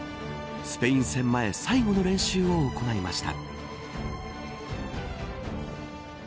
スペイン戦前最後の練習を行いました。